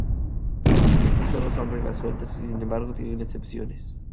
Estas son sólo reglas sueltas, y sin embargo tienen excepciones.